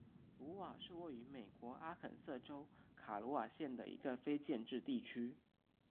鲁尔是位于美国阿肯色州卡罗尔县的一个非建制地区。